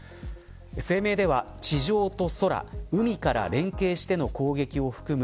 声明では、地上と空海から連携しての攻撃を含む